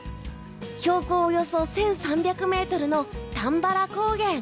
標高およそ１３００ｍの玉原高原。